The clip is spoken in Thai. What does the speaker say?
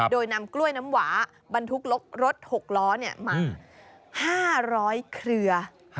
โดยนำกล้วยน้ำหวาบรรทุกรถ๖ล้อมา๕๐๐เครือ